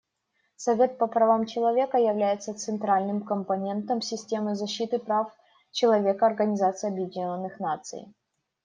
Совет по правам человека является центральным компонентом системы защиты прав человека Организации Объединенных Наций.